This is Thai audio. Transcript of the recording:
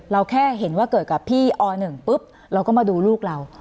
แค่เห็นว่าเกิดกับพี่อ๑ปุ๊บเราก็มาดูลูกเรา